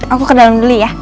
aku ke dalam beli ya